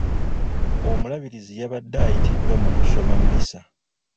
Omulabirizi yabadde ayitiddwa mu kusoma mmisa.